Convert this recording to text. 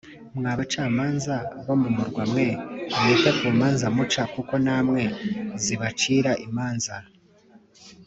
Mwa bacamanza bo mu murwa mwe mwite ku manza muca kuko namwe zibacira imanza